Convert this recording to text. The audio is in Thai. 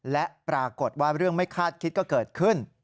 และปรากฏว่าเรื่องไม่คาดคิดก็เกิดขึ้น